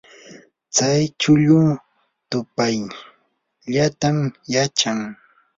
tsay chuulu tuqayllatam yachan.